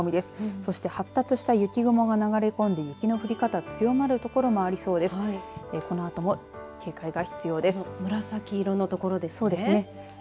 そして発達した雪雲が流れ込んで雪の降り方、強まる所もありそうです。